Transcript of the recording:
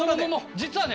実はね